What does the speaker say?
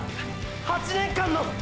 ８年間の！！